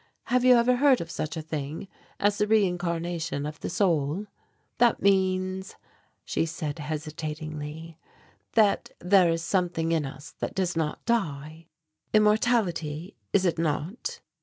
Have you ever heard of such a thing as the reincarnation of the soul?" "That means," she said hesitatingly, "that there is something in us that does not die immortality, is it not?"